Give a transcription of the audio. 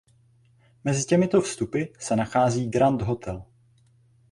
Mezi těmito vstupy se nachází Grand Hotel.